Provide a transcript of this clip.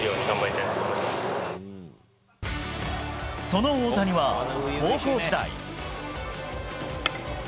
その大谷は高校時代。